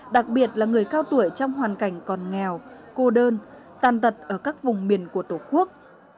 đặc biệt là người cao tuổi trong hoàn cảnh còn nghèo cô đơn tàn tật ở các vùng miền của tổ quốc